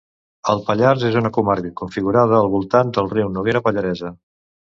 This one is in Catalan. El Pallars és una comarca configurada al voltant del riu Noguera Pallaresa.